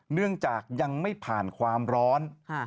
เนื่องจากยังไม่ผ่านความร้อน